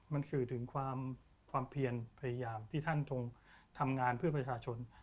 มันสื่อถึงความเพียรพยายามที่ท่านทรงทำงานเพื่อประชาชน